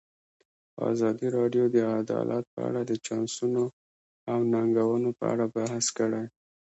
ازادي راډیو د عدالت په اړه د چانسونو او ننګونو په اړه بحث کړی.